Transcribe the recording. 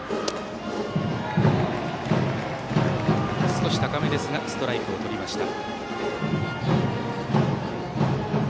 少し高めですがストライクをとりました。